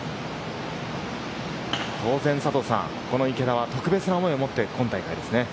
当然、佐藤さん、この池田は特別な思いを持って、今大会ですね。